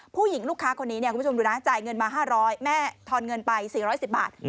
ลูกค้าคนนี้คุณผู้ชมดูนะจ่ายเงินมา๕๐๐แม่ทอนเงินไป๔๑๐บาท